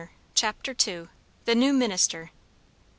CHAPTER II. THE NEW MINISTER.